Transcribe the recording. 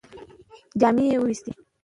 جامې یې ووېستې.